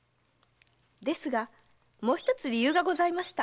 ですがもう一つ理由がございました。